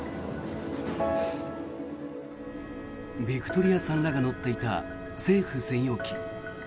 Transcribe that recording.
ヴィクトリアさんらが乗っていた政府専用機。